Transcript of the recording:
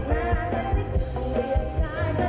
เว้ยบทฤหร่วงเว้าค่ะ